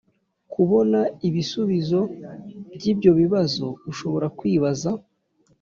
kubona ibisubizo by ibyo bibazo Ushobora kwibaza